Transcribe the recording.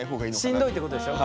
しんどいってことでしょ？